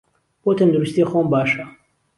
بۆ تهندروستی خۆم باشه.